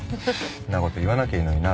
そんな事言わなきゃいいのにな。